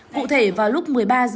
cụ thể vào lúc một mươi ba h ba mươi